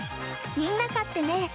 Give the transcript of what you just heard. みんな買ってね！